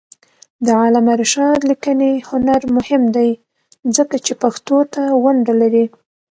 د علامه رشاد لیکنی هنر مهم دی ځکه چې پښتو ته ونډه لري.